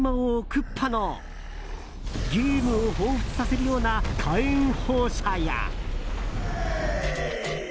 クッパのゲームをほうふつとさせるような火炎放射や。